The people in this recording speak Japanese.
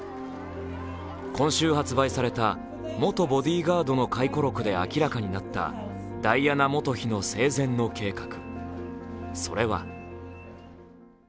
今週発売された、元ボディーガードの回顧録で明らかになったダイアナ元妃の生前の計画。